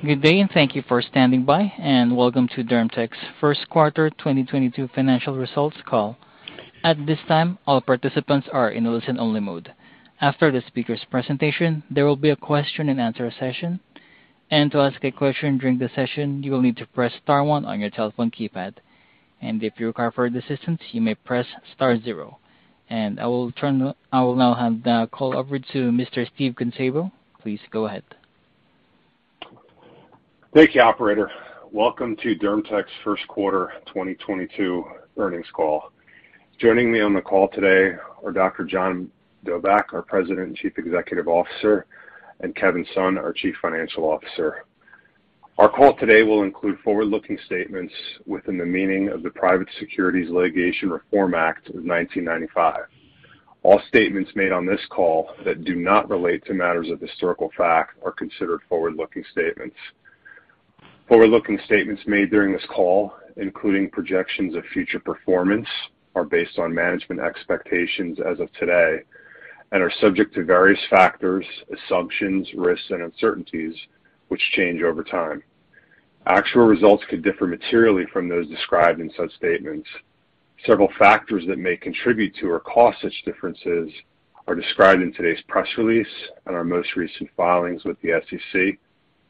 Good day, and thank you for standing by, and welcome to DermTech's first quarter 2022 financial results call. At this time, all participants are in listen-only mode. After the speaker's presentation, there will be a question-and-answer session. To ask a question during the session, you will need to press star one on your telephone keypad. If you require further assistance, you may press star zero. I will now hand the call over to Mr. Steve Kunszabo. Please go ahead. Thank you, operator. Wel to DermTech's first-quarter 2022 earnings call. Joining me on the call today are Dr. John Dobak, our President and Chief Executive Officer, and Kevin Sun, our Chief Financial Officer. Our call today will include forward-looking statements within the meaning of the Private Securities Litigation Reform Act of 1995. All statements made on this call that do not relate to matters of historical fact are considered forward-looking statements. Forward-looking statements made during this call, including projections of future performance, are based on management expectations as of today and are subject to various factors, assumptions, risks, and uncertainties, which change over time. Actual results could differ materially from those described in such statements. Several factors that may contribute to or cause such differences are described in today's press release and our most recent filings with the SEC,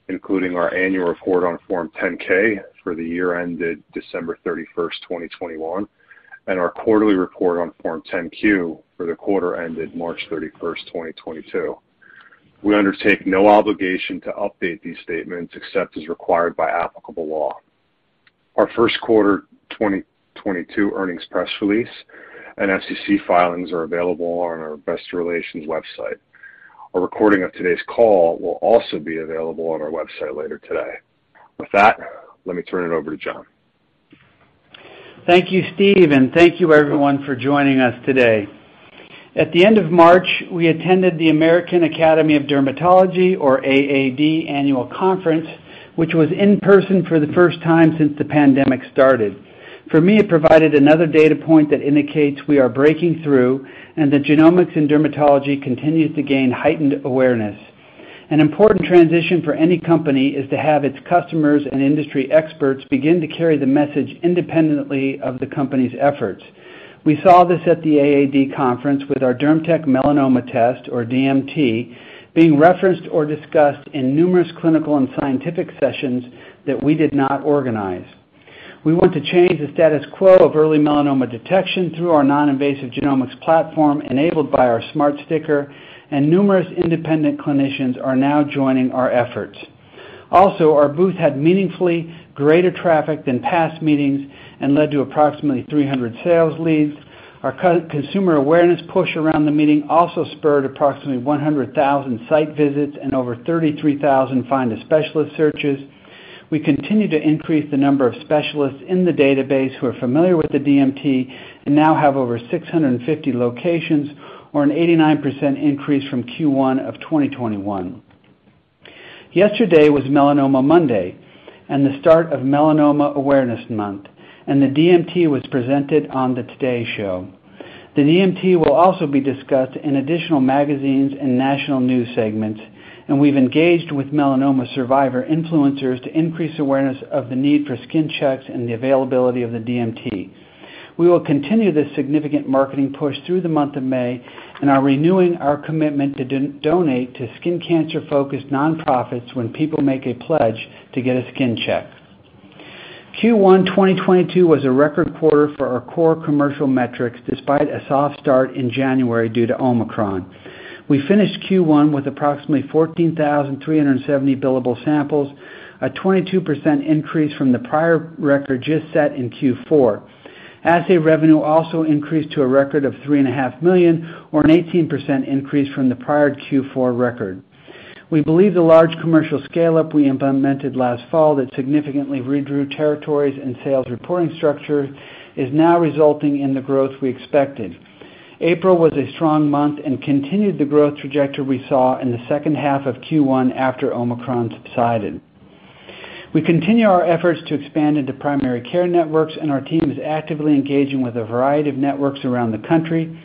including our annual report on Form 10-K for the year ended December 31, 2021, and our quarterly report on Form 10-Q for the quarter ended March 31, 2022. We undertake no obligation to update these statements except as required by applicable law. Our first quarter 2022 earnings press release and SEC filings are available on our investor relations website. A recording of today's call will also be available on our website later today. With that, let me turn it over to John Dobak. Thank you, Steve, and thank you, everyone, for joining us today. At the end of March, we attended the American Academy of Dermatology, or AAD, annual conference, which was in person for the first time since the pandemic started. For me, it provided another data point that indicates we are breaking through and that genomics and dermatology continues to gain heightened awareness. An important transition for any company is to have its customers and industry experts begin to carry the message independently of the company's efforts. We saw this at the AAD conference with our DermTech Melanoma Test, or DMT, being referenced or discussed in numerous clinical and scientific sessions that we did not organize. We want to change the status quo of early melanoma detection through our non-invasive genomics platform enabled by our smart sticker, and numerous independent clinicians are now joining our efforts. Also, our booth had meaningfully greater traffic than past meetings and led to approximately 300 sales leads. Our consumer awareness push around the meeting also spurred approximately 100,000 site visits and over 33,000 Find a Specialist searches. We continue to increase the number of specialists in the database who are familiar with the DMT and now have over 650 locations or an 89% increase from Q1 of 2021. Yesterday was Melanoma Monday and the start of Melanoma Awareness Month, and the DMT was presented on The Today Show. The DMT will also be discussed in additional magazines and national news segments, and we've engaged with melanoma survivor influencers to increase awareness of the need for skin checks and the availability of the DMT. We will continue this significant marketing push through the month of May and are renewing our commitment to donate to skin cancer-focused nonprofits when people make a pledge to get a skin check. Q1 2022 was a record quarter for our core commercial metrics despite a soft start in January due to Omicron. We finished Q1 with approximately 14,370 billable samples, a 22% increase from the prior record just set in Q4. Assay revenue also increased to a record of $3.5 million, or an 18% increase from the prior Q4 record. We believe the large commercial scale-up we implemented last fall that significantly redrew territories and sales reporting structure is now resulting in the growth we expected. April was a strong month and continued the growth trajectory we saw in the second half of Q1 after Omicron subsided. We continue our efforts to expand into primary care networks, and our team is actively engaging with a variety of networks around the country.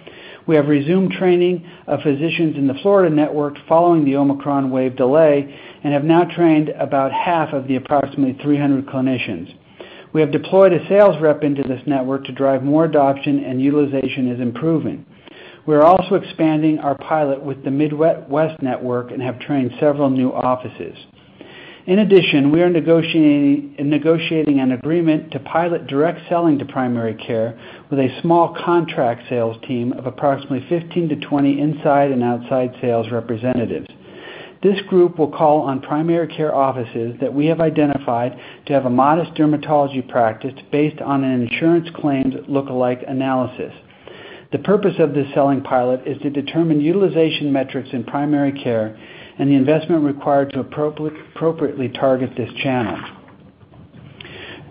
We have resumed training of physicians in the Florida network following the Omicron wave delay and have now trained about half of the approximately 300 clinicians. We have deployed a sales rep into this network to drive more adoption and utilization is improving. We are also expanding our pilot with the Midwest network and have trained several new offices. In addition, we are negotiating an agreement to pilot direct selling to primary care with a small contract sales team of approximately 15-20 inside and outside sales representatives. This group will call on primary care offices that we have identified to have a modest dermatology practice based on an insurance claims look-alike analysis. The purpose of this selling pilot is to determine utilization metrics in primary care and the investment required to appropriately target this channel.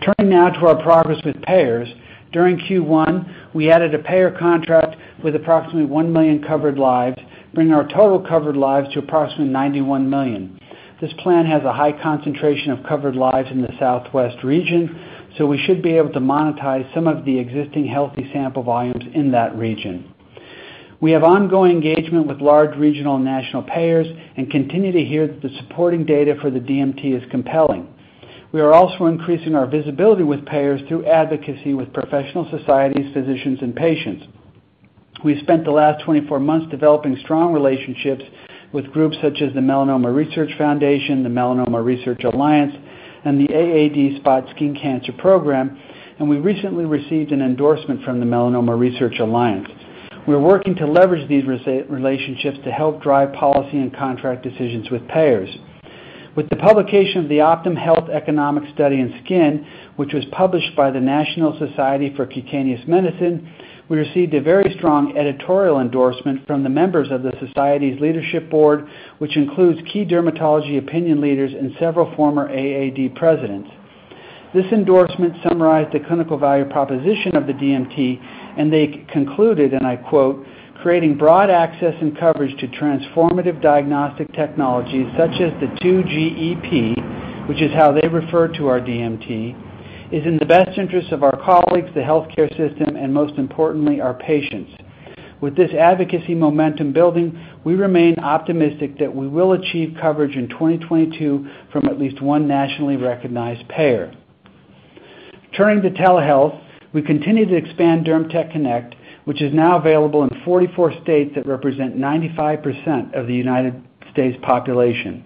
Turning now to our progress with payers. During Q1, we added a payer contract with approximately 1 million covered lives, bringing our total covered lives to approximately 91 million. This plan has a high concentration of covered lives in the Southwest region, so we should be able to monetize some of the existing healthy sample volumes in that region. We have ongoing engagement with large regional and national payers and continue to hear that the supporting data for the DMT is compelling. We are also increasing our visibility with payers through advocacy with professional societies, physicians, and patients. We spent the last 24 months developing strong relationships with groups such as the Melanoma Research Foundation, the Melanoma Research Alliance, and the AAD SPOT Skin Cancer program, and we recently received an endorsement from the Melanoma Research Alliance. We're working to leverage these relationships to help drive policy and contract decisions with payers. With the publication of the Optum Health Economic Study in SKIN, which was published by the National Society for Cutaneous Medicine, we received a very strong editorial endorsement from the members of the society's leadership board, which includes key dermatology opinion leaders and several former AAD presidents. This endorsement summarized the clinical value proposition of the DMT, and they concluded, and I quote, "Creating broad access and coverage to transformative diagnostic technologies such as the 2-GEP," which is how they refer to our DMT, "is in the best interest of our colleagues, the healthcare system, and most importantly, our patients." With this advocacy momentum building, we remain optimistic that we will achieve coverage in 2022 from at least one nationally recognized payer. Turning to telehealth, we continue to expand DermTech Connect, which is now available in 44 states that represent 95% of the United States population.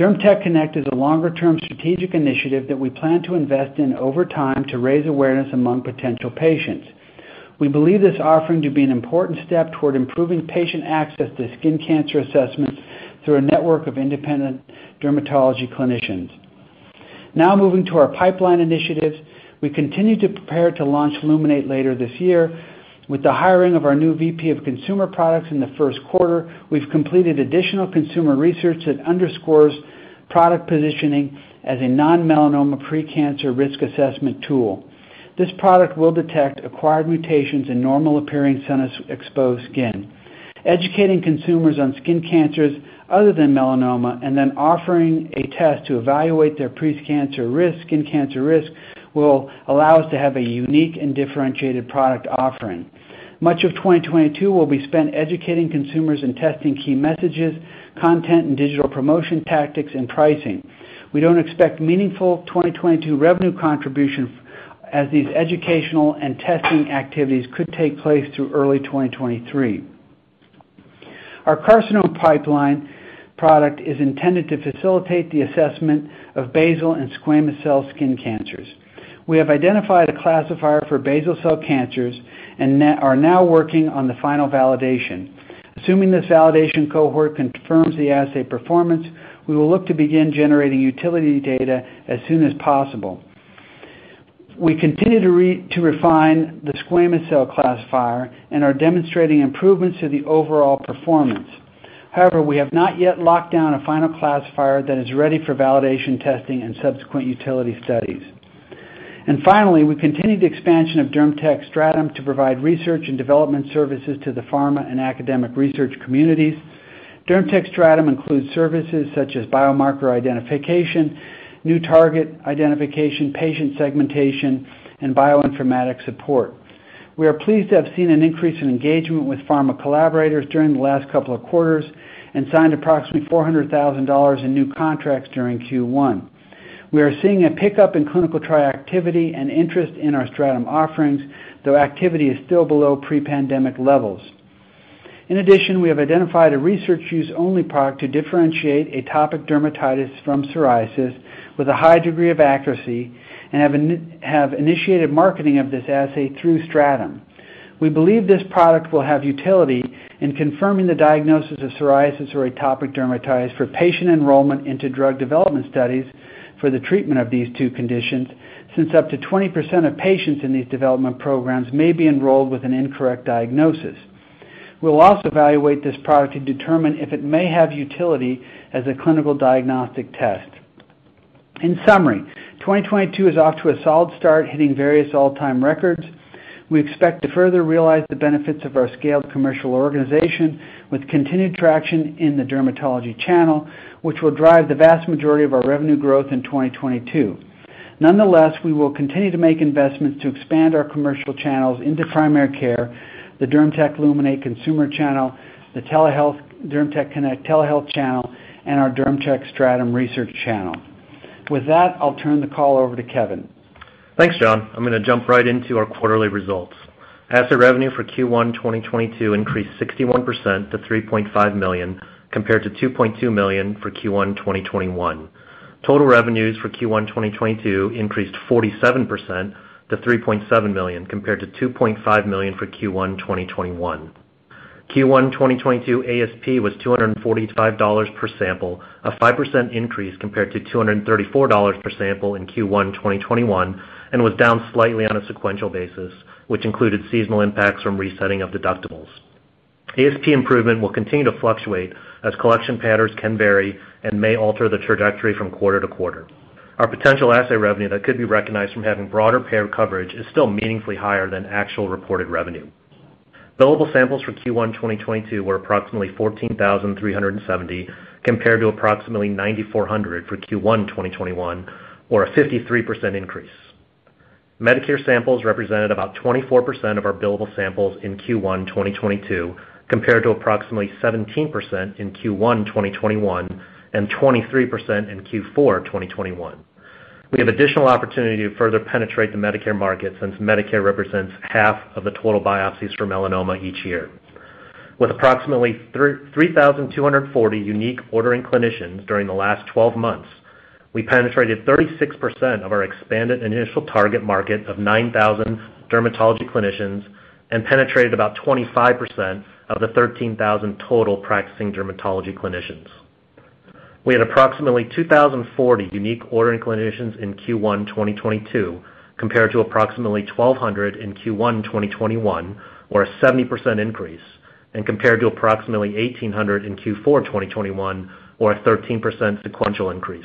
DermTech Connect is a longer-term strategic initiative that we plan to invest in over time to raise awareness among potential patients. We believe this offering to be an important step toward improving patient access to skin cancer assessments through a network of independent dermatology clinicians. Now moving to our pipeline initiatives, we continue to prepare to launch Luminate later this year. With the hiring of our new VP of Consumer Products in the first quarter, we've completed additional consumer research that underscores product positioning as a non-melanoma precancer risk assessment tool. This product will detect acquired mutations in normal-appearing sun-exposed skin. Educating consumers on skin cancers other than melanoma and then offering a test to evaluate their precancer risk, skin cancer risk will allow us to have a unique and differentiated product offering. Much of 2022 will be spent educating consumers and testing key messages, content and digital promotion tactics, and pricing. We don't expect meaningful 2022 revenue contribution as these educational and testing activities could take place through early 2023. Our carcinoma pipeline product is intended to facilitate the assessment of basal and squamous cell skin cancers. We have identified a classifier for basal cell cancers and are now working on the final validation. Assuming this validation cohort confirms the assay performance, we will look to begin generating utility data as soon as possible. We continue to refine the squamous cell classifier and are demonstrating improvements to the overall performance. However, we have not yet locked down a final classifier that is ready for validation testing and subsequent utility studies. Finally, we continue the expansion of DermTech Stratum to provide research and development services to the pharma and academic research communities. DermTech Stratum includes services such as biomarker identification, new target identification, patient segmentation, and bioinformatics support. We are pleased to have seen an increase in engagement with pharma collaborators during the last couple of quarters and signed approximately $400,000 in new contracts during Q1. We are seeing a pickup in clinical trial activity and interest in our Stratum offerings, though activity is still below pre-pandemic levels. In addition, we have identified a research use-only product to differentiate atopic dermatitis from psoriasis with a high degree of accuracy and have initiated marketing of this assay through Stratum. We believe this product will have utility in confirming the diagnosis of psoriasis or atopic dermatitis for patient enrollment into drug development studies for the treatment of these two conditions since up to 20% of patients in these development programs may be enrolled with an incorrect diagnosis. We'll also evaluate this product to determine if it may have utility as a clinical diagnostic test. In summary, 2022 is off to a solid start, hitting various all-time records. We expect to further realize the benefits of our scaled commercial organization with continued traction in the dermatology channel, which will drive the vast majority of our revenue growth in 2022. Nonetheless, we will continue to make investments to expand our commercial channels into primary care, the DermTech Luminate consumer channel, the telehealth DermTech Connect telehealth channel, and our DermTech Stratum research channel. With that, I'll turn the call over to Kevin. Thanks, John. I'm gonna jump right into our quarterly results. Assay revenue for Q1 2022 increased 61% to $3.5 million, compared to $2.2 million for Q1 2021. Total revenues for Q1 2022 increased 47% to $3.7 million, compared to $2.5 million for Q1 2021. Q1 2022 ASP was $245 per sample, a 5% increase compared to $234 per sample in Q1 2021 and was down slightly on a sequential basis, which included seasonal impacts from resetting of deductibles. ASP improvement will continue to fluctuate as collection patterns can vary and may alter the trajectory from quarter to quarter. Our potential assay revenue that could be recognized from having broader payer coverage is still meaningfully higher than actual reported revenue. Billable samples for Q1 2022 were approximately 14,370, compared to approximately 9,400 for Q1 2021, or a 53% increase. Medicare samples represented about 24% of our billable samples in Q1 2022, compared to approximately 17% in Q1 2021 and 23% in Q4 2021. We have additional opportunity to further penetrate the Medicare market since Medicare represents half of the total biopsies for melanoma each year. With approximately 33,240 unique ordering clinicians during the last twelve months, we penetrated 36% of our expanded initial target market of 9,000 dermatology clinicians and penetrated about 25% of the 13,000 total practicing dermatology clinicians. We had approximately 2,040 unique ordering clinicians in Q1 2022, compared to approximately 1,200 in Q1 2021, or a 70% increase, and compared to approximately 1,800 in Q4 2021, or a 13% sequential increase.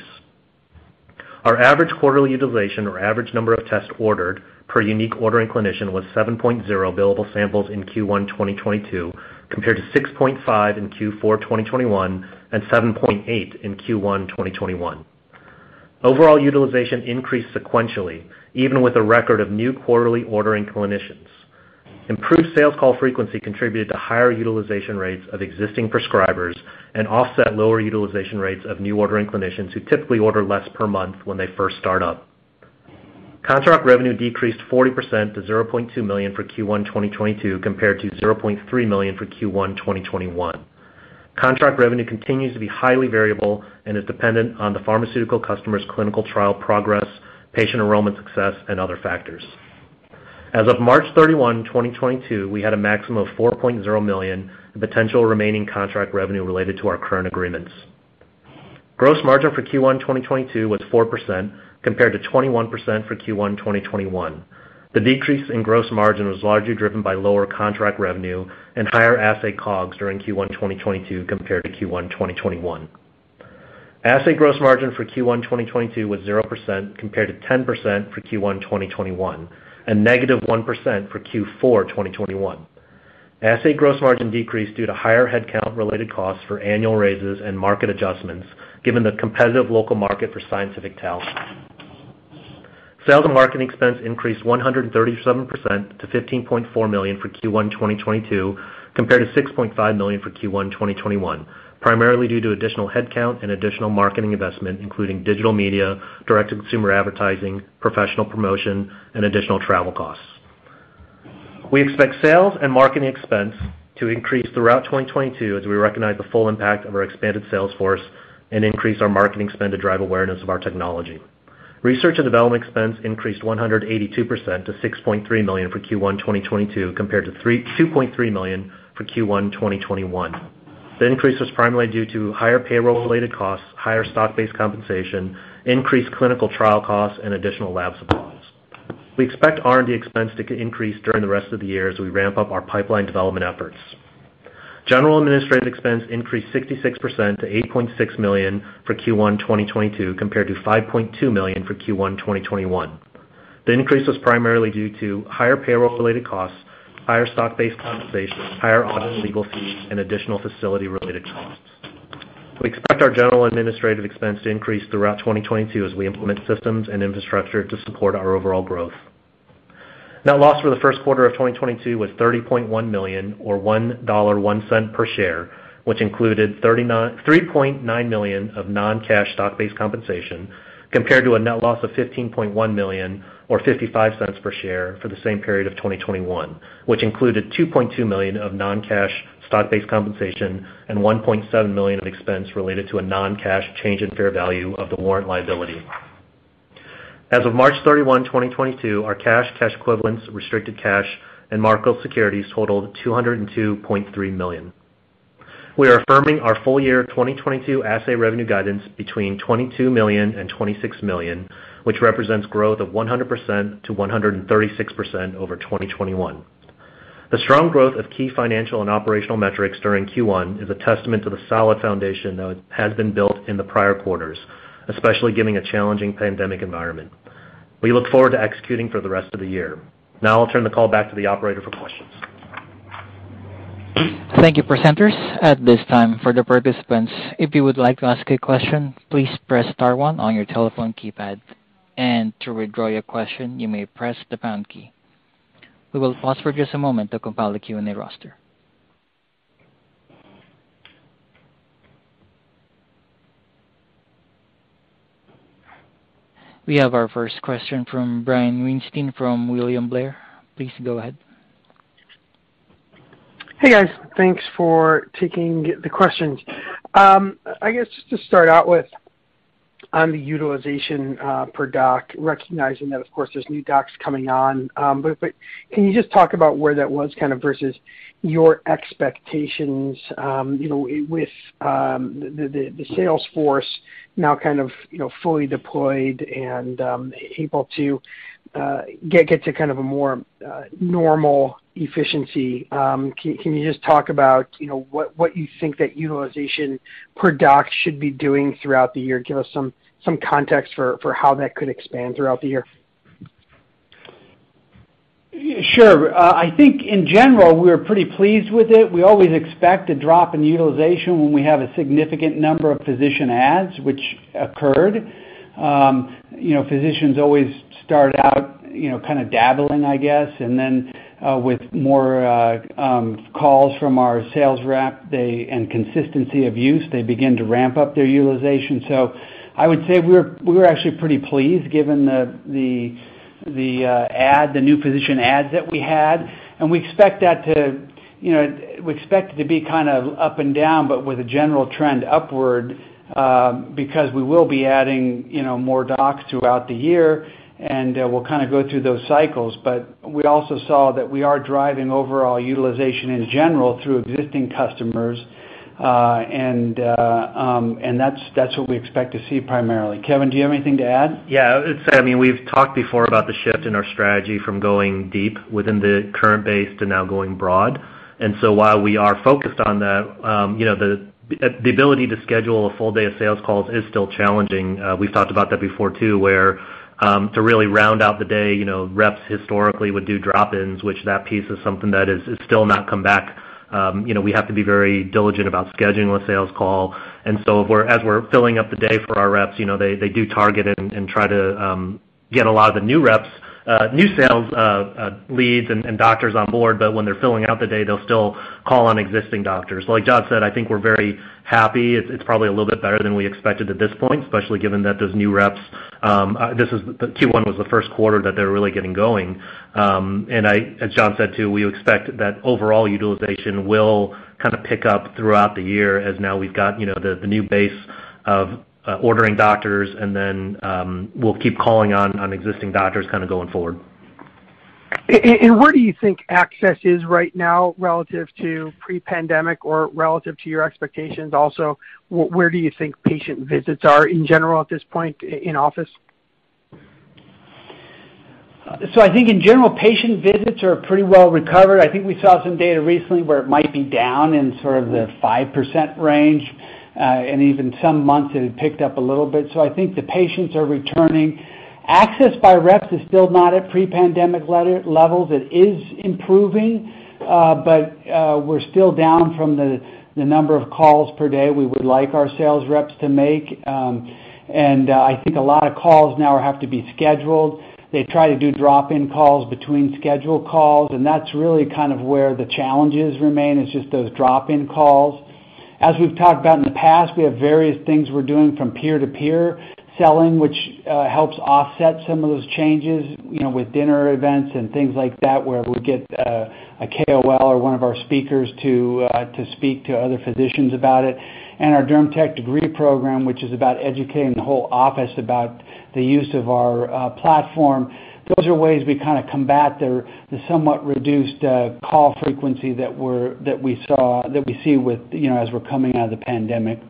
Our average quarterly utilization or average number of tests ordered per unique ordering clinician was 7.0 billable samples in Q1 2022, compared to 6.5 in Q4 2021 and 7.8 in Q1 2021. Overall utilization increased sequentially, even with a record of new quarterly ordering clinicians. Improved sales call frequency contributed to higher utilization rates of existing prescribers and offset lower utilization rates of new ordering clinicians who typically order less per month when they first start up. Contract revenue decreased 40% to $0.2 million for Q1 2022 compared to $0.3 million for Q1 2021. Contract revenue continues to be highly variable and is dependent on the pharmaceutical customer's clinical trial progress, patient enrollment success, and other factors. As of March 31, 2022, we had a maximum of $4.0 million in potential remaining contract revenue related to our current agreements. Gross margin for Q1 2022 was 4% compared to 21% for Q1 2021. The decrease in gross margin was largely driven by lower contract revenue and higher assay COGS during Q1 2022 compared to Q1 2021. Assay gross margin for Q1 2022 was 0% compared to 10% for Q1 2021, and -1% for Q4 2021. Assay gross margin decreased due to higher headcount-related costs for annual raises and market adjustments given the competitive local market for scientific talent. Sales and marketing expense increased 137% to $15.4 million for Q1 2022 compared to $6.5 million for Q1 2021, primarily due to additional headcount and additional marketing investment, including digital media, direct-to-consumer advertising, professional promotion, and additional travel costs. We expect sales and marketing expense to increase throughout 2022 as we recognize the full impact of our expanded sales force and increase our marketing spend to drive awareness of our technology. Research and development expense increased 182% to $6.3 million for Q1 2022 compared to two point three million for Q1 2021. The increase was primarily due to higher payroll-related costs, higher stock-based compensation, increased clinical trial costs, and additional lab supplies. We expect R&D expense to increase during the rest of the year as we ramp up our pipeline development efforts. General and administrative expense increased 66% to $8.6 million for Q1 2022 compared to $5.2 million for Q1 2021. The increase was primarily due to higher payroll-related costs, higher stock-based compensation, higher audit and legal fees, and additional facility-related costs. We expect our general and administrative expense to increase throughout 2022 as we implement systems and infrastructure to support our overall growth. Net loss for the first quarter of 2022 was $30.1 million or $1.01 per share, which included $3.9 million of non-cash stock-based compensation, compared to a net loss of $15.1 million or $0.55 per share for the same period of 2021, which included $2.2 million of non-cash stock-based compensation and $1.7 million of expense related to a non-cash change in fair value of the warrant liability. As of March 31, 2022, our cash equivalents, restricted cash, and market securities totaled $202.3 million. We are affirming our full-year 2022 assay revenue guidance between $22 million and $26 million, which represents growth of 100%-136% over 2021. The strong growth of key financial and operational metrics during Q1 is a testament to the solid foundation that has been built in the prior quarters, especially given a challenging pandemic environment. We look forward to executing for the rest of the year. Now I'll turn the call back to the operator for questions. Thank you, presenters. At this time, for the participants, if you would like to ask a question, please press star one on your telephone keypad. To withdraw your question, you may press the pound key. We will pause for just a moment to compile the Q&A roster. We have our first question from Brian Weinstein from William Blair. Please go ahead. Hey, guys. Thanks for taking the questions. I guess just to start out with on the utilization, per doc, recognizing that of course there's new docs coming on, but can you just talk about where that was kind of versus your expectations, you know, with the sales force now kind of, you know, fully deployed and able to get to kind of a more normal efficiency? Can you just talk about, you know, what you think that utilization per doc should be doing throughout the year? Give us some context for how that could expand throughout the year. Sure. I think in general, we're pretty pleased with it. We always expect a drop in utilization when we have a significant number of physician adds, which occurred. You know, physicians always start out, you know, kind of dabbling, I guess. Then, with more calls from our sales rep, and consistency of use, they begin to ramp up their utilization. I would say we're actually pretty pleased given the new physician adds that we had. We expect that to, you know, we expect it to be kind of up and down, but with a general trend upward, because we will be adding, you know, more docs throughout the year, and we'll kind of go through those cycles. We also saw that we are driving overall utilization in general through existing customers. That's what we expect to see primarily. Kevin, do you have anything to add? Yeah. I'd say, I mean, we've talked before about the shift in our strategy from going deep within the current base to now going broad. While we are focused on that, you know, the ability to schedule a full day of sales calls is still challenging. We've talked about that before too, where to really round out the day, you know, reps historically would do drop-ins, which that piece is something that has still not come back. You know, we have to be very diligent about scheduling a sales call. If we're filling up the day for our reps, you know, they do target it and try to get a lot of the new reps, new sales leads and doctors on board. When they're filling out the day, they'll still call on existing doctors. Like John said, I think we're very happy. It's probably a little bit better than we expected at this point, especially given that those new reps, Q1 was the first quarter that they're really getting going. As John said, too, we expect that overall utilization will kind of pick up throughout the year as now we've got, you know, the new base of ordering doctors, and then we'll keep calling on existing doctors kind of going forward. Where do you think access is right now relative to pre-pandemic or relative to your expectations also? Where do you think patient visits are in general at this point in office? I think in general, patient visits are pretty well recovered. I think we saw some data recently where it might be down in sort of the 5% range, and even some months it had picked up a little bit. I think the patients are returning. Access by reps is still not at pre-pandemic levels. It is improving, but we're still down from the number of calls per day we would like our sales reps to make. I think a lot of calls now have to be scheduled. They try to do drop-in calls between scheduled calls, and that's really kind of where the challenges remain. It's just those drop-in calls. As we've talked about in the past, we have various things we're doing from peer-to-peer selling, which helps offset some of those changes, you know, with dinner events and things like that, where we get a KOL or one of our speakers to speak to other physicians about it. Our DermTech degree program, which is about educating the whole office about the use of our platform. Those are ways we kinda combat the somewhat reduced call frequency that we see with, you know, as we're coming out of the pandemic.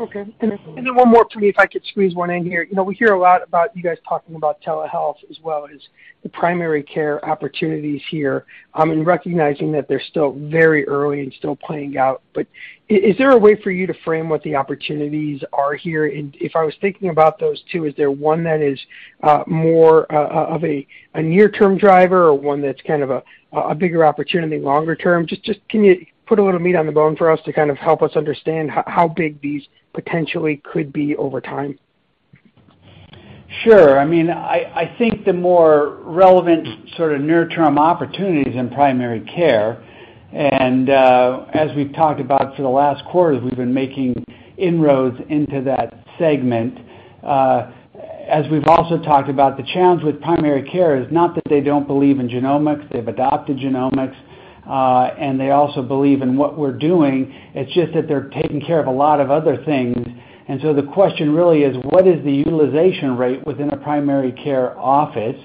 Okay. Then one more for me, if I could squeeze one in here. You know, we hear a lot about you guys talking about telehealth as well as the primary care opportunities here, and recognizing that they're still very early and still playing out. Is there a way for you to frame what the opportunities are here? If I was thinking about those two, is there one that is more of a near-term driver or one that's kind of a bigger opportunity longer term? Just can you put a little meat on the bone for us to kind of help us understand how big these potentially could be over time? Sure. I mean, I think the more relevant sort of near-term opportunity is in primary care. As we've talked about for the last quarter, we've been making inroads into that segment. As we've also talked about, the challenge with primary care is not that they don't believe in genomics. They've adopted genomics, and they also believe in what we're doing. It's just that they're taking care of a lot of other things. The question really is, what is the utilization rate within a primary care office?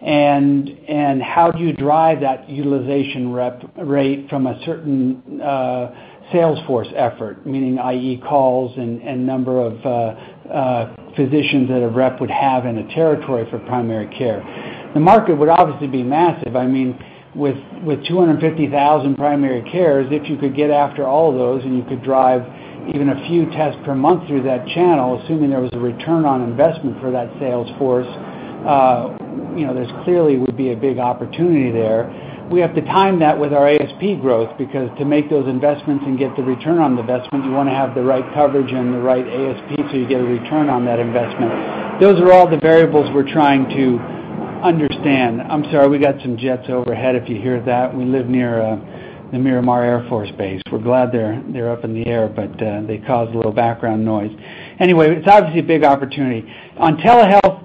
How do you drive that utilization rate from a certain sales force effort, meaning i.e. calls and number of physicians that a rep would have in a territory for primary care. The market would obviously be massive. I mean, with 250,000 primary cares, if you could get after all of those and you could drive even a few tests per month through that channel, assuming there was a return on investment for that sales force, you know, there clearly would be a big opportunity there. We have to time that with our ASP growth because to make those investments and get the return on investment, you wanna have the right coverage and the right ASP so you get a return on that investment. Those are all the variables we're trying to understand. I'm sorry, we got some jets overhead, if you hear that. We live near the Miramar Air Force Base. We're glad they're up in the air, but they cause a little background noise. Anyway, it's obviously a big opportunity. On telehealth,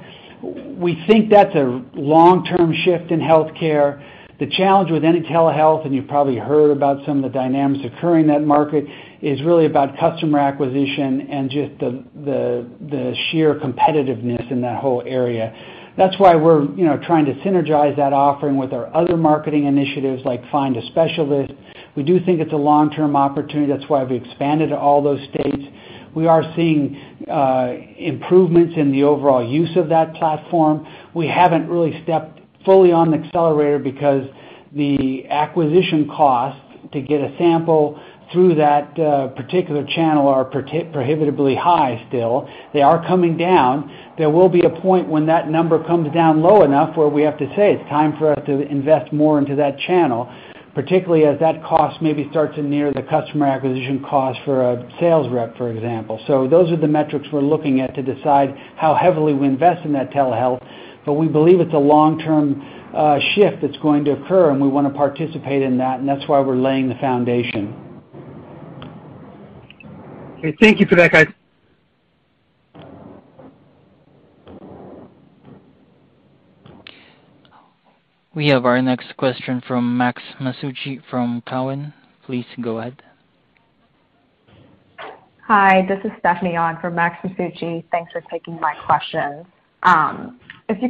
we think that's a long-term shift in healthcare. The challenge with any telehealth, and you've probably heard about some of the dynamics occurring in that market, is really about customer acquisition and just the sheer competitiveness in that whole area. That's why we're, you know, trying to synergize that offering with our other marketing initiatives, like Find a Specialist. We do think it's a long-term opportunity. That's why we expanded to all those states. We are seeing improvements in the overall use of that platform. We haven't really stepped fully on the accelerator because the acquisition costs to get a sample through that particular channel are prohibitively high still. They are coming down. There will be a point when that number comes down low enough where we have to say it's time for us to invest more into that channel, particularly as that cost maybe starts to near the customer acquisition cost for a sales rep, for example. Those are the metrics we're looking at to decide how heavily we invest in that telehealth. We believe it's a long-term shift that's going to occur, and we wanna participate in that, and that's why we're laying the foundation. Okay. Thank you for that, guys. We have our next question from Max Masucci from Cowen. Please go ahead. Hi, this is Stephanie on for Max Masucci. Thanks for taking my questions. If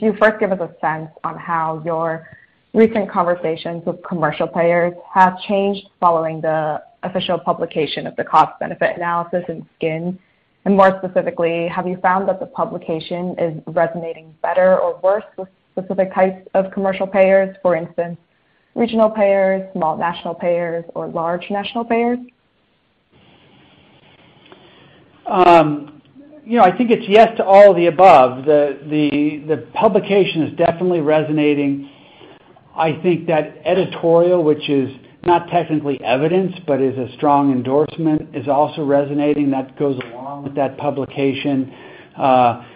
you first give us a sense on how your recent conversations with commercial payers have changed following the official publication of the cost-benefit analysis in SKIN, and more specifically, have you found that the publication is resonating better or worse with specific types of commercial payers, for instance, regional payers, small national payers, or large national payers? You know, I think it's yes to all of the above. The publication is definitely resonating. I think that editorial, which is not technically evidence, but is a strong endorsement, is also resonating. That goes along with that publication. All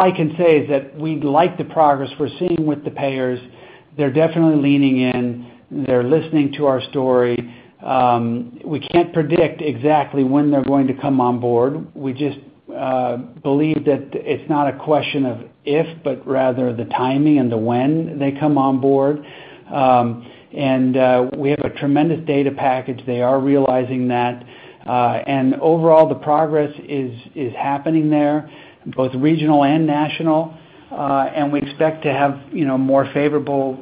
I can say is that we like the progress we're seeing with the payers. They're defintely leaning in. They're listening to our story. We can't predict exactly when they're going to come on board. We just believe that it's not a question of if, but rather the timing and the when they come on board. We have a tremendous data package. They are realizing that. Overall, the progress is happening there, both regional and national. We expect to have, you know, more favorable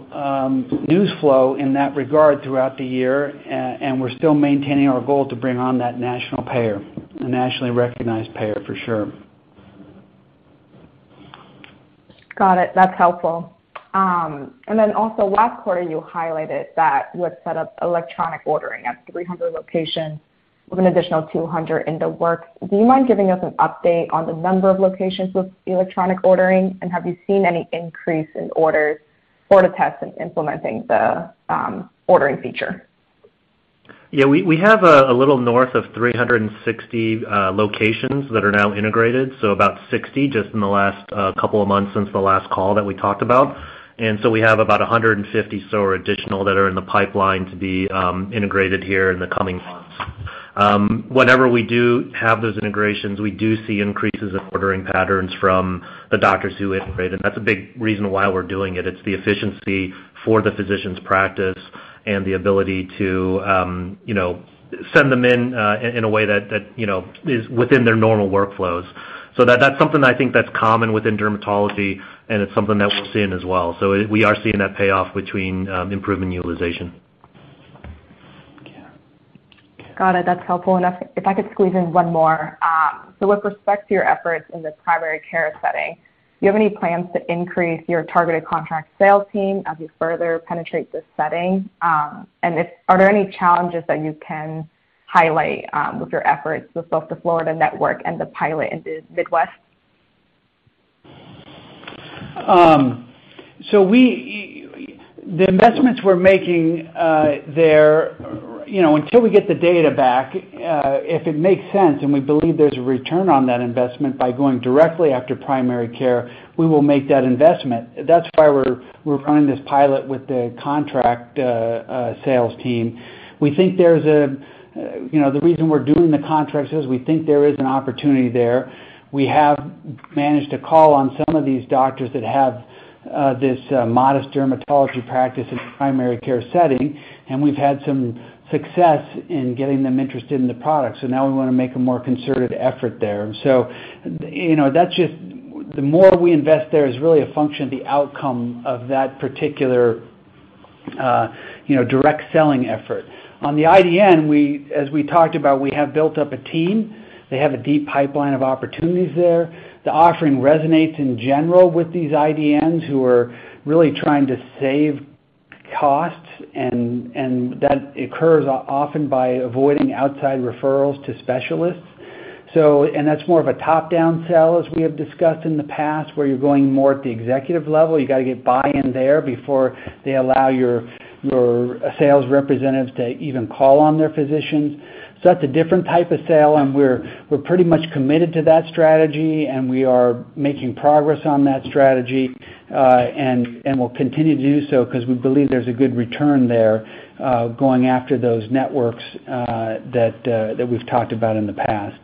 news flow in that regard throughout the year. We're still maintaining our goal to bring on that national payer, a nationally recognized payer for sure. Got it. That's helpful. Last quarter you highlighted that you had set up electronic ordering at 300 locations with an additional 200 in the works. Do you mind giving us an update on the number of locations with electronic ordering? Have you seen any increase in orders for the tests since implementing the ordering feature? Yeah. We have a little north of 360 locations that are now integrated, so about 60 just in the last couple of months since the last call that we talked about. We have about 100 additional that are in the pipeline to be integrated here in the coming months. Whenever we do have those integrations, we do see increases in ordering patterns from the doctors who integrate, and that's a big reason why we're doing it. It's the efficiency for the physician's practice and the ability to you know, send them in in a way that you know, is within their normal workflows. That's something I think that's common within dermatology, and it's something that we're seeing as well. We are seeing that payoff between improving utilization. Got it. That's helpful enough. If I could squeeze in one more. With respect to your efforts in the primary care setting, do you have any plans to increase your targeted contract sales team as you further penetrate this setting? Are there any challenges that you can highlight with your efforts with both the Florida network and the pilot in the Midwest? The investments we're making there, you know, until we get the data back, if it makes sense and we believe there's a return on that investment by going directly after primary care, we will make that investment. That's why we're running this pilot with the contract sales team. We think there's. You know, the reason we're doing the contract is we think there is an opportunity there. We have managed to call on some of these doctors that have this modest dermatology practice in primary care setting, and we've had some success in getting them interested in the product. Now we wanna make a more concerted effort there. You know, that's just. The more we invest there is really a function of the outcome of that particular, you know, direct selling effort. On the IDN, as we talked about, we have built up a team. They have a deep pipeline of opportunities there. The offering resonates in general with these IDNs who are really trying to save costs and that occurs often by avoiding outside referrals to specialists. That's more of a top-down sell, as we have discussed in the past, where you're going more at the executive level. You got to get buy-in there before they allow your sales representatives to even call on their physicians. That's a different type of sale, and we're pretty much committed to that strategy, and we are making progress on that strategy, and we'll continue to do so because we believe there's a good return there, going after those networks, that we've talked about in the past.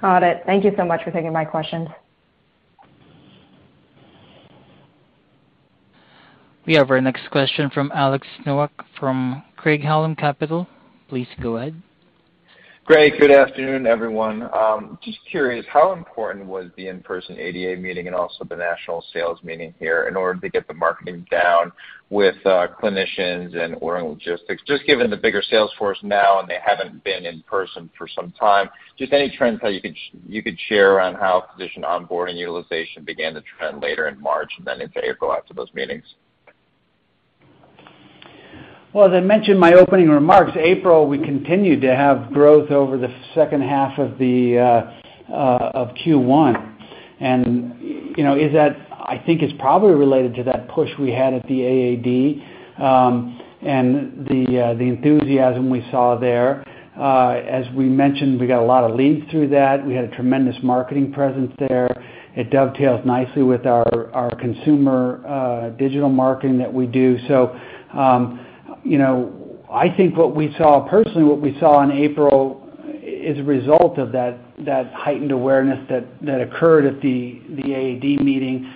Got it. Thank you so much for taking my questions. We have our next question from Alex Nowak from Craig-Hallum Capital. Please go ahead. Greg, good afternoon, everyone. Just curious, how important was the in-person AAD meeting and also the national sales meeting here in order to get the marketing down with clinicians and overall logistics, just given the bigger sales force now, and they haven't been in person for some time. Just any trends you could share on how physician onboarding utilization began to trend later in March and then into April after those meetings? Well, as I mentioned in my opening remarks, April, we continued to have growth over the second half of Q1. You know, I think it's probably related to that push we had at the AAD, and the enthusiasm we saw there. As we mentioned, we got a lot of leads through that. We had a tremendous marketing presence there. It dovetails nicely with our consumer digital marketing that we do. You know, I think, personally, what we saw in April is a result of that heightened awareness that occurred at the AAD meeting.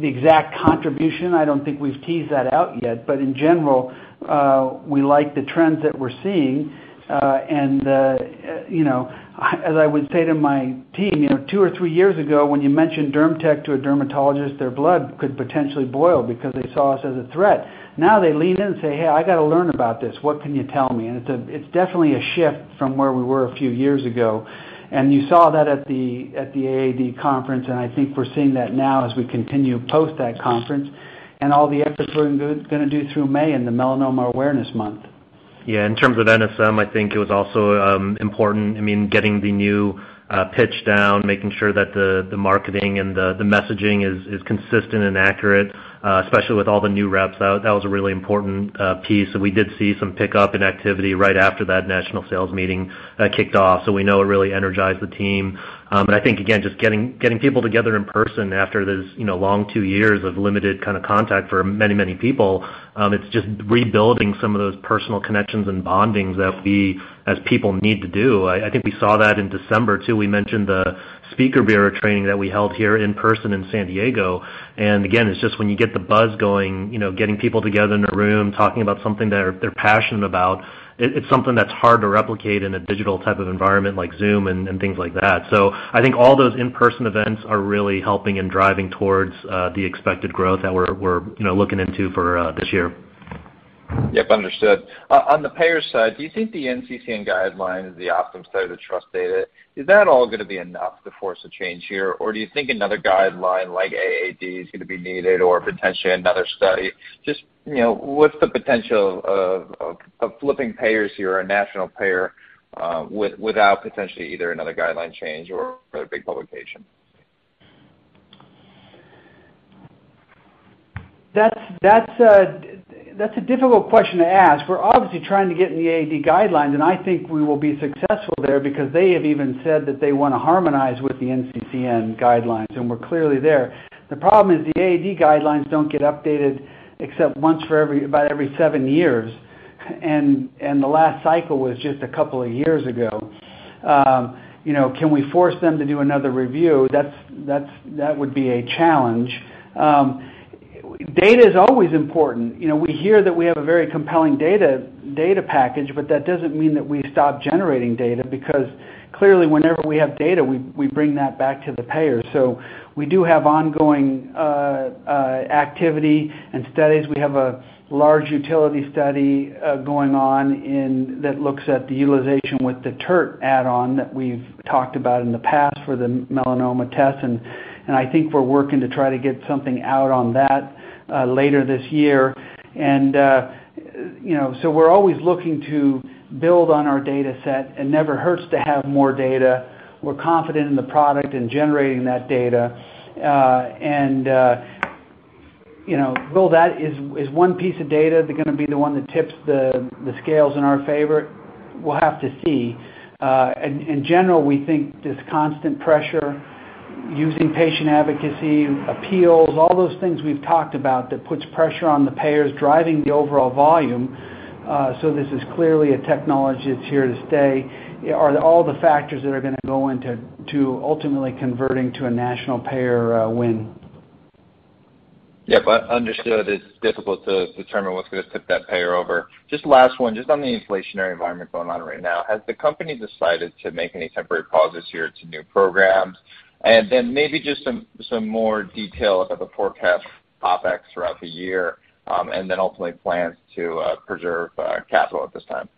The exact contribution, I don't think we've teased that out yet, but in general, we like the trends that we're seeing. You know, as I would say to my team, you know, two or three years ago, when you mentioned DermTech to a dermatologist, their blood could potentially boil because they saw us as a threat. Now, they lean in and say, "Hey, I gotta learn about this. What can you tell me?" It's definitely a shift from where we were a few years ago. You saw that at the AAD conference, and I think we're seeing that now as we continue post that conference and all the efforts we're gonna do through May in the Melanoma Awareness Month. Yeah. In terms of NSM, I think it was also important, I mean, getting the new pitch down, making sure that the marketing and the messaging is consistent and accurate, especially with all the new reps. That was a really important piece. We did see some pickup in activity right after that national sales meeting kicked off. We know it really energized the team. But I think again, just getting people together in person after this, you know, long two years of limited kind of contact for many people, it's just rebuilding some of those personal connections and bondings that we as people need to do. I think we saw that in December too. We mentioned the speaker bureau training that we held here in person in San Diego. Again, it's just when you get the buzz going, you know, getting people together in a room, talking about something they're passionate about. It's something that's hard to replicate in a digital type of environment like Zoom and things like that. I think all those in-person events are really helping and driving towards the expected growth that we're, you know, looking into for this year. Yep, understood. On the payer side, do you think the NCCN guideline and the Optum study, the TRUST Study, is that all gonna be enough to force a change here? Or do you think another guideline like AAD is gonna be needed or potentially another study? Just, you know, what's the potential of flipping payers who are a national payer, without potentially either another guideline change or a big publication? That's a difficult question to ask. We're obviously trying to get in the AAD guidelines, and I think we will be successful there because they have even said that they wanna harmonize with the NCCN guidelines, and we're clearly there. The problem is the AAD guidelines don't get updated except once every about seven years. The last cycle was just a couple of years ago. You know, can we force them to do another review? That would be a challenge. Data is always important. You know, we hear that we have a very compelling data package, but that doesn't mean that we stop generating data because clearly, whenever we have data, we bring that back to the payer. We do have ongoing activity and studies. We have a large utility study going on in that looks at the utilization with the TERT add-on that we've talked about in the past for the melanoma test. I think we're working to try to get something out on that later this year. You know, so we're always looking to build on our data set. It never hurts to have more data. We're confident in the product and generating that data. You know, will that one piece of data gonna be the one that tips the scales in our favor? We'll have to see. In general, we think this constant pressure using patient advocacy, appeals, all those things we've talked about that puts pressure on the payers driving the overall volume, so this is clearly a technology that's here to stay, are all the factors that are gonna go into ultimately converting to a national payer win. Yep. Understood. It's difficult to determine what's gonna tip that payer over. Just last one, just on the inflationary environment going on right now, has the company decided to make any temporary pauses here to new programs? Then maybe just some more detail about the forecast OpEx throughout the year, and then ultimately plans to preserve capital at this time.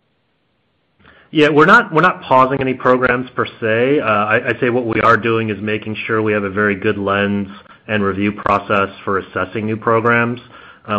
Yeah. We're not pausing any programs per se. I'd say what we are doing is making sure we have a very good lens and review process for assessing new programs.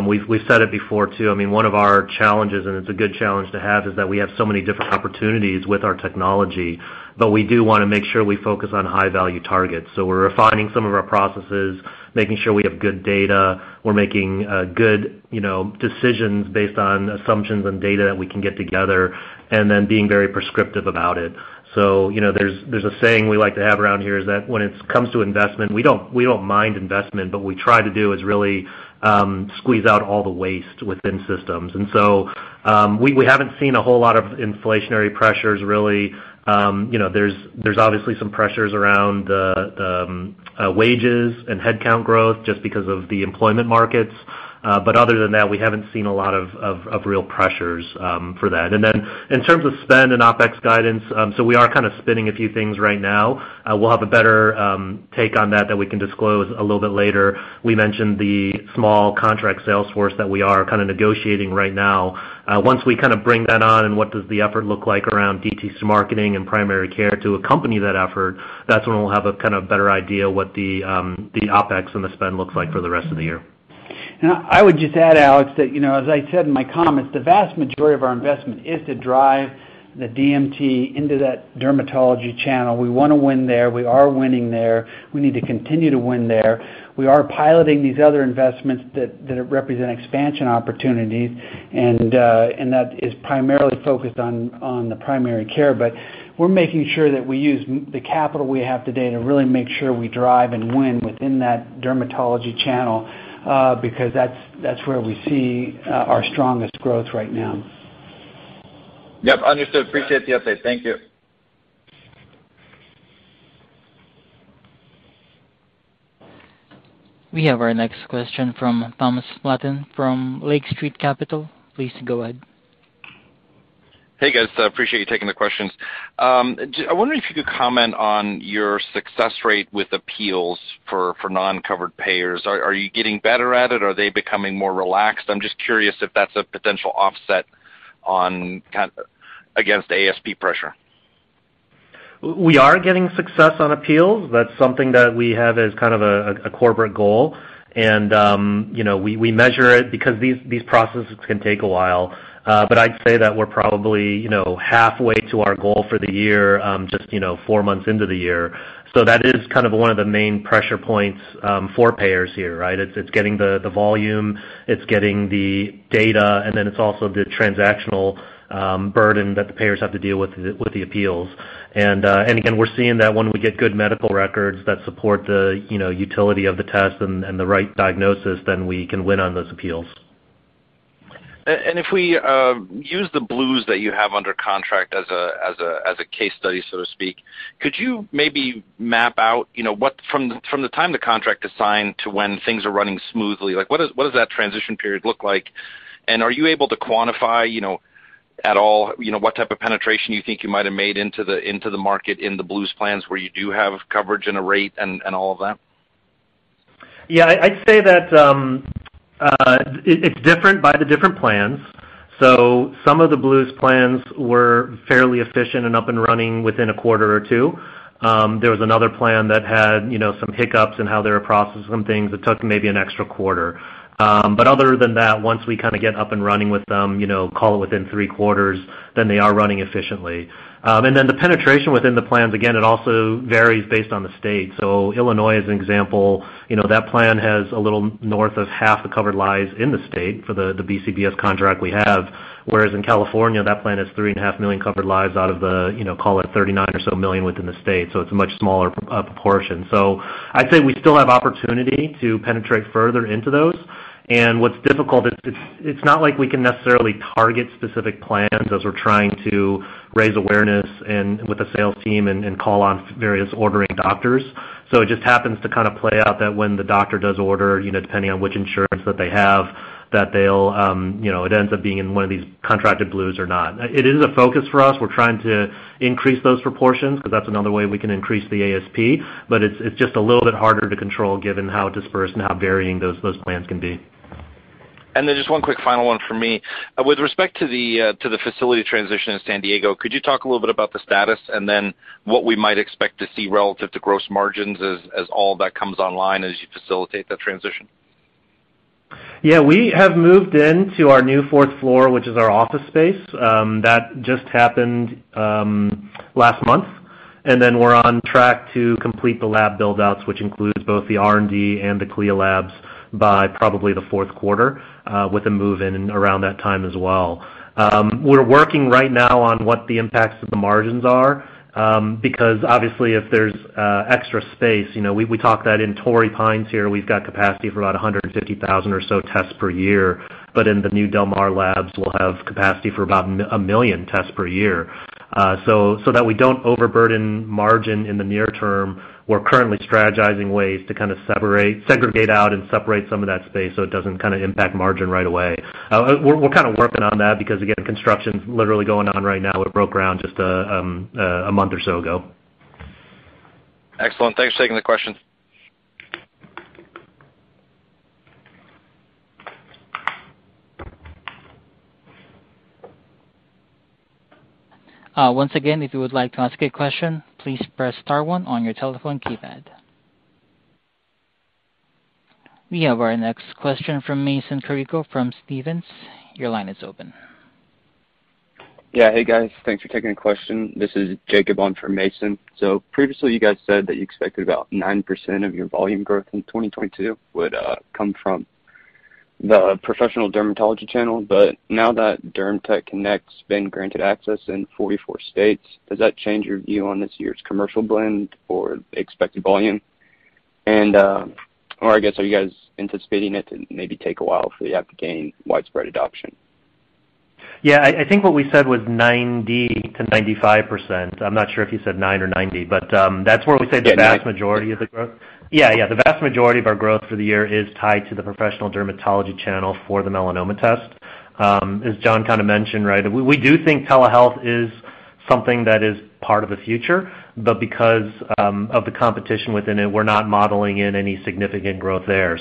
We've said it before too. I mean, one of our challenges, and it's a good challenge to have, is that we have so many different opportunities with our technology, but we do wanna make sure we focus on high-value targets. We're refining some of our processes, making sure we have good data. We're making good, you know, decisions based on assumptions and data that we can get together and then being very prescriptive about it. You know, there's a saying we like to have around here is that when it comes to investment, we don't mind investment, but we try to do is really squeeze out all the waste within systems. We haven't seen a whole lot of inflationary pressures really. You know, there's obviously some pressures around the wages and headcount growth just because of the employment markets. But other than that, we haven't seen a lot of real pressures for that. In terms of spend and OpEx guidance, we are kind of spinning a few things right now. We'll have a better take on that we can disclose a little bit later. We mentioned the small contract sales force that we are kind of negotiating right now. Once we kind of bring that on and what does the effort look like around DTC marketing and primary care to accompany that effort, that's when we'll have a kind of better idea what the OpEx and the spend looks like for the rest of the year. I would just add, Alex, that, you know, as I said in my comments, the vast majority of our investment is to drive the DMT into that dermatology channel. We wanna win there. We are winning there. We need to continue to win there. We are piloting these other investments that represent expansion opportunities, and that is primarily focused on the primary care. But we're making sure that we use the capital we have today to really make sure we drive and win within that dermatology channel, because that's where we see our strongest growth right now. Yep, understood. Appreciate the update. Thank you. We have our next question from Thomas Flaten from Lake Street Capital. Please go ahead. Hey, guys. Appreciate you taking the questions. I wonder if you could comment on your success rate with appeals for non-covered payers. Are you getting better at it? Are they becoming more relaxed? I'm just curious if that's a potential offset against ASP pressure. We are getting success on appeals. That's something that we have as kind of a corporate goal. You know, we measure it because these processes can take a while. I'd say that we're probably you know halfway to our goal for the year just you know four months into the year. That is kind of one of the main pressure points for payers here, right? It's getting the volume, it's getting the data, and then it's also the transactional burden that the payers have to deal with with the appeals. Again, we're seeing that when we get good medical records that support the you know utility of the test and the right diagnosis, then we can win on those appeals. If we use the Blues that you have under contract as a case study, so to speak, could you maybe map out, you know, what from the time the contract is signed to when things are running smoothly, like, what does that transition period look like? Are you able to quantify, you know, at all, you know, what type of penetration you think you might have made into the market in the Blues plans where you do have coverage and a rate and all of that? Yeah, I'd say that it's different by the different plans. Some of the Blues plans were fairly efficient and up and running within a quarter or two. There was another plan that had, you know, some hiccups in how they were processing some things that took maybe an extra quarter. Other than that, once we kind of get up and running with them, you know, call it within three quarters, then they are running efficiently. The penetration within the plans, again, it also varies based on the state. Illinois, as an example, you know, that plan has a little north of half the covered lives in the state for the BCBS contract we have, whereas in California, that plan has 3.5 million covered lives out of the, you know, call it 39 or so million within the state. It's a much smaller portion. I'd say we still have opportunity to penetrate further into those. What's difficult is it's not like we can necessarily target specific plans as we're trying to raise awareness and with the sales team and call on various ordering doctors. It just happens to kind of play out that when the doctor does order, you know, depending on which insurance that they have, that they'll, you know, it ends up being in one of these contracted Blues or not. It is a focus for us. We're trying to increase those proportions because that's another way we can increase the ASP, but it's just a little bit harder to control given how dispersed and how varying those plans can be. Just one quick final one for me. With respect to the facility transition in San Diego, could you talk a little bit about the status and then what we might expect to see relative to gross margins as all that comes online as you facilitate that transition? Yeah. We have moved into our new fourth floor, which is our office space. That just happened last month. Then we're on track to complete the lab build-outs, which includes both the R&D and the CLIA labs, by probably the fourth quarter, with a move-in around that time as well. We're working right now on what the impacts of the margins are, because obviously if there's extra space, you know, we talked that in Torrey Pines here, we've got capacity for about 150,000 or so tests per year. In the new Del Mar labs, we'll have capacity for about 1 million tests per year. That we don't overburden margin in the near term, we're currently strategizing ways to kind of segregate out and separate some of that space so it doesn't kind of impact margin right away. We're kind of working on that because again, construction's literally going on right now. It broke ground just a month or so ago. Excellent. Thanks for taking the questions. Once again, if you would like to ask a question, please press star one on your telephone keypad. We have our next question from Mason Carrico from Stephens. Your line is open. Hey, guys. Thanks for taking the question. This is Jacob on for Mason. Previously, you guys said that you expected about 9% of your volume growth in 2022 would come from the professional dermatology channel. Now that DermTech Connect's been granted access in 44 states, does that change your view on this year's commercial blend or expected volume? I guess, are you guys anticipating it to maybe take a while for you to have to gain widespread adoption? I think what we said was 90%-95%. I'm not sure if you said 9 or 90, but that's where we say the vast majority of the growth. Yeah. The vast majority of our growth for the year is tied to the professional dermatology channel for the melanoma test. As John kinda mentioned, right, we do think telehealth is something that is part of the future, but because of the competition within it, we're not modeling in any significant growth there.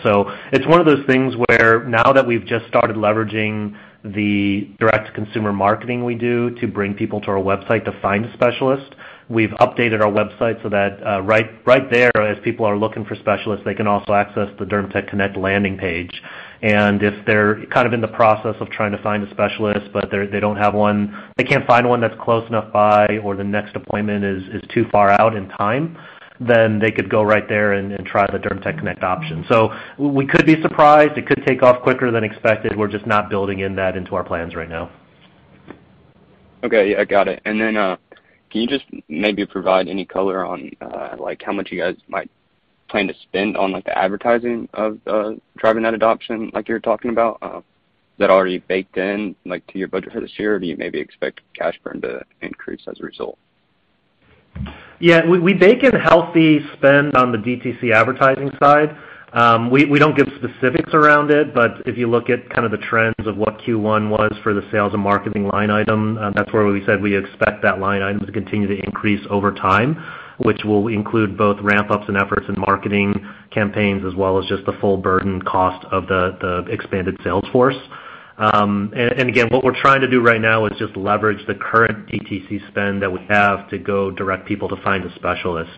It's one of those things where now that we've just started leveraging the direct consumer marketing we do to bring people to our website to find a specialist, we've updated our website so that right there, as people are looking for specialists, they can also access the DermTech Connect landing page. If they're kind of in the process of trying to find a specialist, but they don't have one, they can't find one that's close enough by or the next appointment is too far out in time, then they could go right there and try the DermTech Connect option. We could be surprised. It could take off quicker than expected. We're just not building in that into our plans right now. Okay. Yeah, got it. Can you just maybe provide any color on, like how much you guys might plan to spend on like the advertising of, driving that adoption like you're talking about? Is that already baked in like to your budget for this year? Do you maybe expect cash burn to increase as a result? Yeah. We bake in healthy spend on the DTC advertising side. We don't give specifics around it, but if you look at kind of the trends of what Q1 was for the sales and marketing line item, that's where we said we expect that line item to continue to increase over time, which will include both ramp-ups and efforts in marketing campaigns as well as just the full burden cost of the expanded sales force. Again, what we're trying to do right now is just leverage the current DTC spend that we have to direct people to Find a Specialist.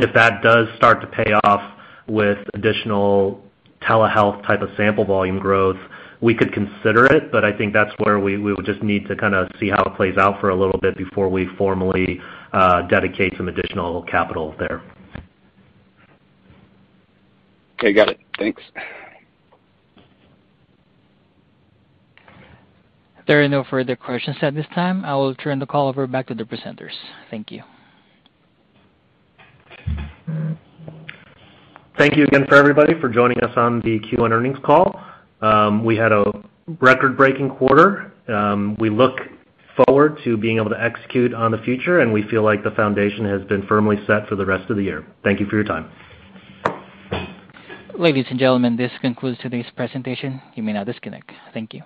If that does start to pay off with additional telehealth type of sample volume growth, we could consider it, but I think that's where we would just need to kinda see how it plays out for a little bit before we formally dedicate some additional capital there. Okay, got it. Thanks. There are no further questions at this time. I will turn the call over back to the presenters. Thank you. Thank you again for everybody for joining us on the Q1 earnings call. We had a record-breaking quarter. We look forward to being able to execute on the future, and we feel like the foundation has been firmly set for the rest of the year. Thank you for your time. Ladies and gentlemen, this concludes today's presentation. You may now disconnect. Thank you.